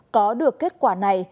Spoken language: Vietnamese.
có được kết quả này